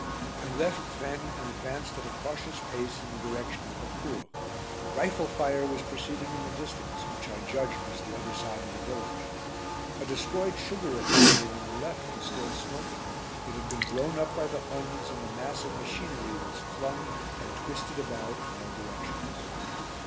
I left Vraignes and advanced at a cautious pace in the direction of Haucourt. Rifle fire was proceeding in the distance, which I judged was the other side of the village. A destroyed sugar refinery on the left was still smoking. It had been blown up by the Huns and the mass of machinery was flung and twisted about in all directions.